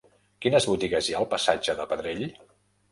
Quines botigues hi ha al passatge de Pedrell?